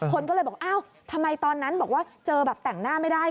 คนก็เลยบอกอ้าวทำไมตอนนั้นบอกว่าเจอแบบแต่งหน้าไม่ได้